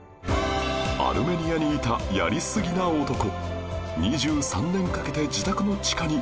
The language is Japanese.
アルメニアにいたやりすぎな男